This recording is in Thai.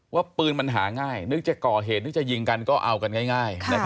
ว่าปืนมันหาง่ายนึกจะก่อเหตุนึกจะยิงกันก็เอากันง่าย